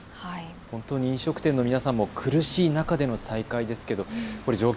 本当に飲食店の皆さんも苦しい中での再開ですけど状況